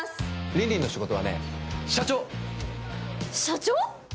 凜々の仕事はね社長社長？